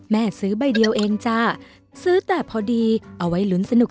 แม่ซื้อใบเดียวเองจ้าซื้อแต่พอดีเอาไว้ลุ้นสนุก